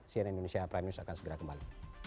cnn indonesia prime news akan segera kembali